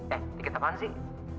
eh tiket apaan sih